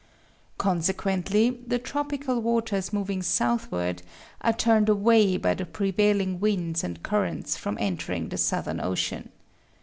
Consequently the tropical waters moving southward are turned away by the prevailing winds and currents from entering the Southern Ocean.